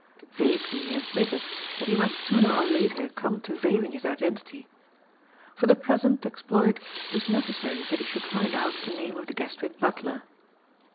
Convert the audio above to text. Vaguely he admitted that he must sooner or later come to veiling his identity. For the present exploit it was necessary that he should find out the name of the Guestwick butler.